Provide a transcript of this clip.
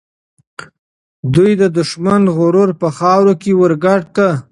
دوی د دښمن غرور په خاوره کې ورګډ کړ.